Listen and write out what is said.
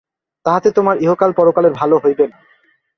তাহাতে তােমার ইহকাল পরকালের ভাল হইবে না।